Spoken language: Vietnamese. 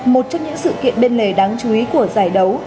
một trong những sự kiện bên lề đáng chú ý của giải đấu